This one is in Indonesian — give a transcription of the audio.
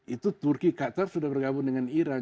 itu turki qatar sudah bergabung dengan iran